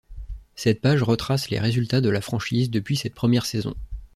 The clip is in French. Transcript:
Cette page retrace les résultats de la franchise depuis cette première saison.